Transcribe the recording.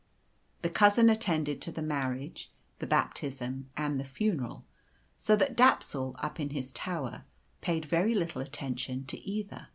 The cousin attended to the marriage, the baptism, and the funeral; so that Dapsul, up in his tower, paid very little attention to either.